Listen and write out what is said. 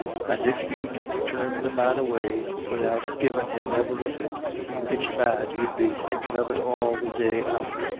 And if you'd turned the man away widout givin' him e'er a bit, it's bad you'd be thinkin' of it all the day after."